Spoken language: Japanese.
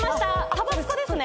タバスコですね。